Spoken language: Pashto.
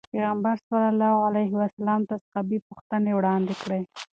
پيغمبر صلي الله علیه وسلم ته صحابي پوښتنې وړاندې کړې.